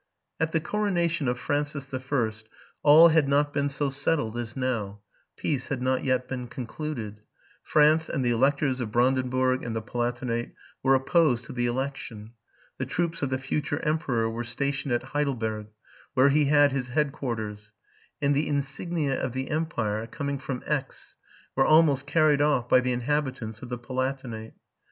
At the coronation of Francis the First cd 160 TRUTH AND FICTION all had not been so settled as now; peace had not yet been concluded ; France and the Electors of Brandenburg and the Palatinate were opposed to the election; the troops of the future emperor were stationed at Heidelberg, where he had his headquarters ; and the insignia of the empire, com ing from Aix, were almost carried off by the inhabitants of the Palatinate.